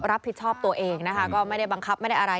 รับผิดชอบตัวเองนะคะก็ไม่ได้บังคับไม่ได้อะไร